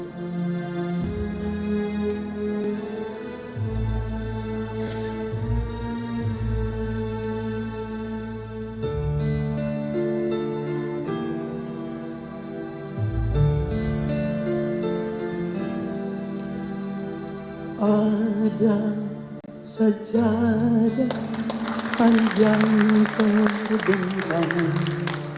pada sejajar panjang pedangmu